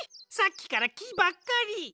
さっきからきばっかり！